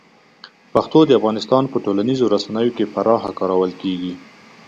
پښتو د افغانستان په ټولنیزو رسنیو کې پراخه کارول کېږي.